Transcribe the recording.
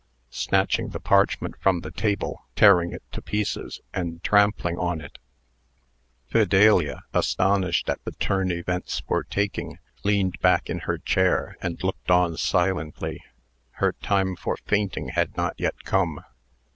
(snatching the parchment from the table, tearing it to pieces, and trampling on it). Fidelia, astonished at the turn events were taking, leaned back in her chair, and looked on silently. Her time for fainting had not yet come.